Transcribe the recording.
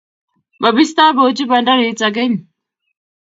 mabistoi boochi bandarit akeny.